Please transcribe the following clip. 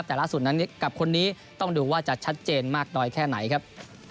แต่ล่าสุดนั้นกับคนนี้ต้องดูว่าจะชัดเจนมากน้อยแค่ไหนครับ